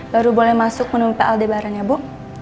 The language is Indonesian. baru boleh masuk menunggu pak aldebaran ya bu